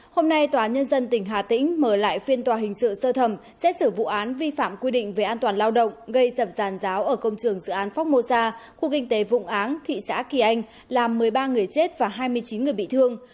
hôm nay tòa nhân dân tỉnh hà tĩnh mở lại phiên tòa hình sự sơ thẩm xét xử vụ án vi phạm quy định về an toàn lao động gây sập giàn giáo ở công trường dự án phongmosa khu kinh tế vụng áng thị xã kỳ anh làm một mươi ba người chết và hai mươi chín người bị thương